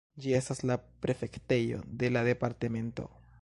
Ĝi estas la prefektejo de la departemento.